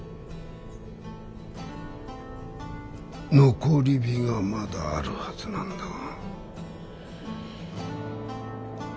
残り火がまだあるはずなんだが。